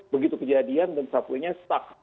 begitu kejadian dan subway nya stuck